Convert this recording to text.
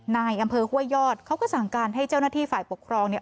นายอำเภอห้วยยอดเขาก็สั่งการให้เจ้าหน้าที่ฝ่ายปกครองเนี่ย